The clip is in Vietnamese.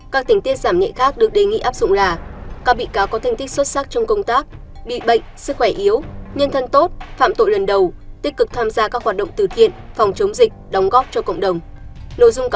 các tình tiết giảm nhẹ khác được đề nghị áp dụng là các bị cáo có thành tích xuất sắc trong công tác bị bệnh sức khỏe yếu nhân thân tốt phạm tội lần đầu tích cực tham gia các hoạt động từ thiện phòng chống dịch đóng góp cho cộng đồng